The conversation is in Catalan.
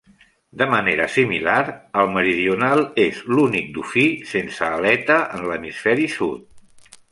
De manera similar, el meridional és l'únic dofí sense aleta en l'hemisferi sud.